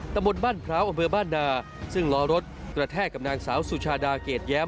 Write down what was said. ตำบลบ้านพร้าวอำเภอบ้านนาซึ่งล้อรถกระแทกกับนางสาวสุชาดาเกรดแย้ม